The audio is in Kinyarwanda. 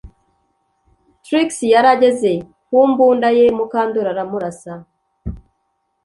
Trix yari ageze ku mbunda ye Mukandoli aramurasa